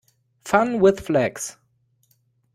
Fun with flags.